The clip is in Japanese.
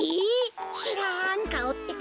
しらんかおってか。